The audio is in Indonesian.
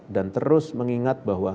dan terus mengingat bahwa